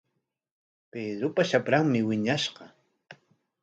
Pedropa shapranmi wiñashqa.